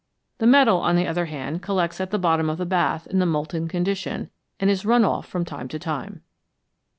The metal, on the other hand, collects at the bottom of the bath in the molten condition, and is run off from time to time.